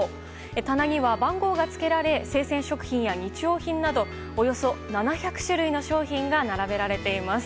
棚には番号がつけられ生鮮食品や日用品などおよそ７００種類の商品が並べられています。